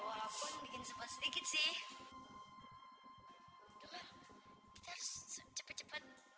walaupun bikin sempat sedikit sih cepet cepet